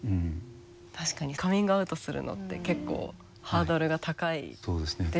確かにカミングアウトするのって結構ハードルが高いですよね。